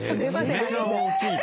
爪が大きい。